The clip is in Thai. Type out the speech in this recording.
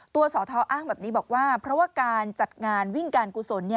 สทอ้างแบบนี้บอกว่าเพราะว่าการจัดงานวิ่งการกุศล